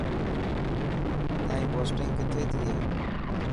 تائين پوسٽنگ ڪٿي ٿي هي.